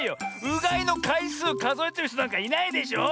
うがいのかいすうかぞえてるひとなんかいないでしょ。